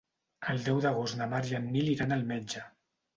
El deu d'agost na Mar i en Nil iran al metge.